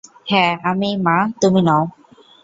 হ্যাঁ, আমি-ই মা, তুমি নও!